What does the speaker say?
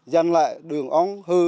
dân lại đường ống hư